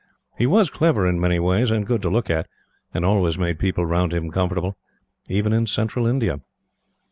He was clever in many ways, and good to look at, and always made people round him comfortable even in Central India.